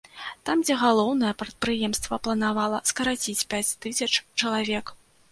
Там, дзе галоўнае прадпрыемства планавала скараціць пяць тысяч чалавек.